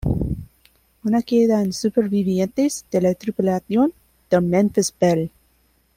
Hoy no quedan supervivientes de la tripulación del "Memphis Belle".